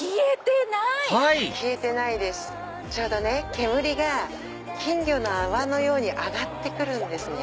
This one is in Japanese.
煙が金魚の泡のように上がって来るんですね。